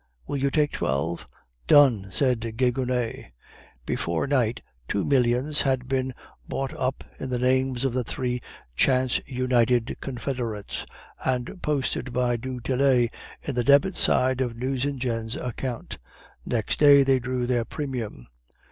"'Will you take twelve?' "'Done,' said Gigonnet. "Before night two millions had been bought up in the names of the three chance united confederates, and posted by du Tillet to the debit side of Nucingen's account. Next day they drew their premium.